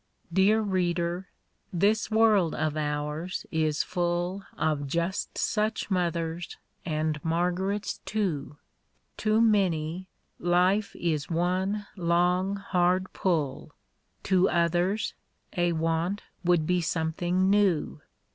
Dear reader, this world of ours is full Of just such mothers, and Margarets too. To many, life is one long, hard pull. To others, a want would be something new.